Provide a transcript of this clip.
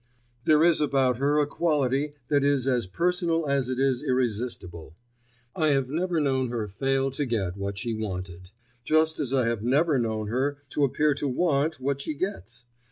There is about her a quality that is as personal as it is irresistible. I have never known her fail to get what she wanted, just as I have never known her to appear to want what she gets.